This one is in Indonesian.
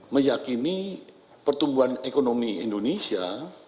meyakini pertumbuhan ekonomi indonesia